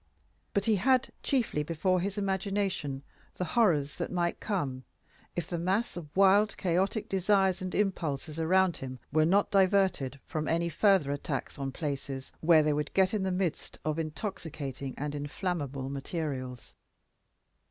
But he had chiefly before his imagination the horrors that might come if the mass of wild chaotic desires and impulses around him were not diverted from any further attacks on places where they would get in the midst of intoxicating and inflammable materials.